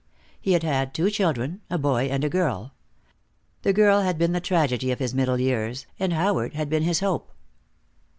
He had had two children, a boy and a girl. The girl had been the tragedy of his middle years, and Howard had been his hope.